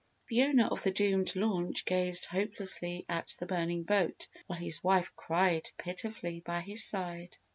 The owner of the doomed launch gazed hopelessly at the burning boat while his wife cried pitifully by his side.